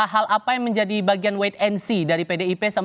hal apa yang menjadi bagian wait and see dari pdip